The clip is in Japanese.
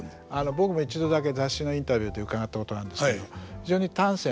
僕も一度だけ雑誌のインタビューで伺ったことがあるんですけど非常に端正な方ですね。